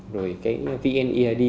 rồi cái vneid